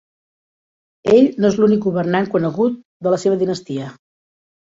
Ell no és l'únic governant conegut de la seva dinastia.